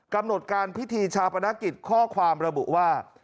กำหนดการพิธีชาปนกิจข้อความระบุว่า